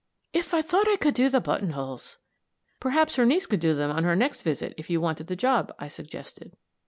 "If I thought I could do the button holes " "Perhaps your niece could do them on her next visit, if you wanted the job," I suggested.